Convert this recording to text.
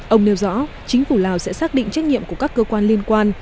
ông nêu rõ chính phủ lào sẽ xác định trách nhiệm của các cơ quan liên quan